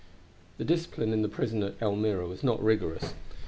The discipline in the prison at Elmira was not rigorous.